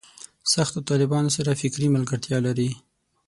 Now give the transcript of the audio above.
سختو طالبانو سره فکري ملګرتیا لري.